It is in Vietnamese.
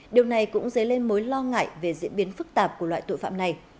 điều này cũng dấy lên mối lo ngại về diễn biến phức tạp của loại tội phạm này